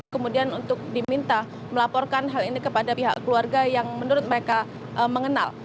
kemudian untuk diminta melaporkan hal ini kepada pihak keluarga yang menurut mereka mengenal